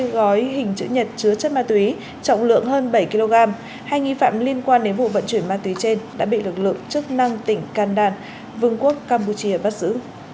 gói hình chữ nhật chứa chất ma túy trọng lượng hơn bảy kg hai nghi phạm liên quan đến vụ vận chuyển ma túy trên đã bị lực lượng chức năng tỉnh can đan vương quốc campuchia bắt giữ